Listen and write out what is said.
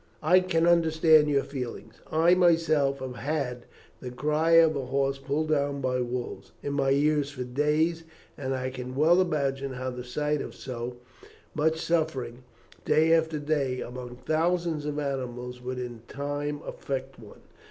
"I can understand your feelings. I myself have had the cry of a horse pulled down by wolves, in my ears for days, and I can well imagine how the sight of so much suffering day after day among thousands of animals would in time affect one."